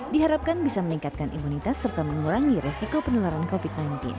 diharapkan bisa meningkatkan imunitas serta mengurangi resiko penularan covid sembilan belas